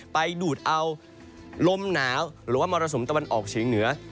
ไปดูดเอาลมหนาวหรือว่ามรสุมตะวันออกเฉียงเหนือ